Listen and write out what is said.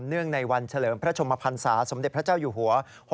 งในวันเฉลิมพระชมพันศาสมเด็จพระเจ้าอยู่หัว